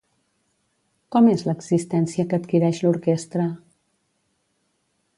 Com és l'existència que adquireix l'orquestra?